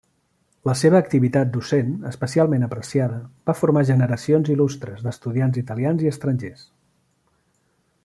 La seva activitat docent, especialment apreciada, va formar generacions il·lustres d'estudiants italians i estrangers.